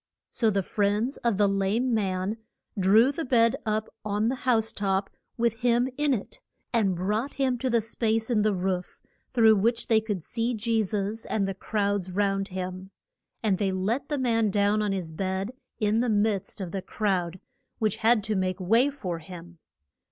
So the friends of the lame man drew the bed up on the house top with him in it, and brought him to the space in the roof, through which they could see Je sus and the crowds round him. And they let the man down on his bed in the midst of the crowd, which had to make way for him.